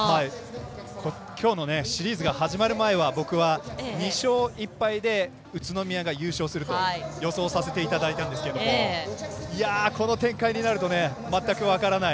きょうのシリーズが始まる前は２勝１敗で宇都宮が優勝すると予想させていただいたんですけどこの展開になると全く分からない。